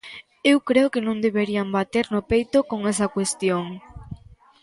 Eu creo que non deberían bater no peito con esa cuestión.